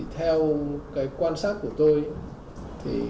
theo quan sát của tôi